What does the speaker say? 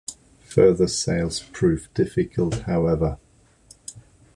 Further sales proved difficult however.